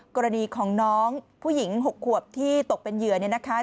กรณีของน้องผู้หญิง๖ขวบที่ตกเป็นเหยื่อเนี่ยนะคะ